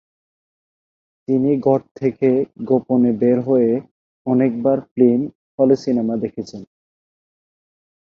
তিনি ঘড় থেকে গোপনে বের হয়ে অনেকবার ফিল্ম হলে সিনেমা দেখেছেন।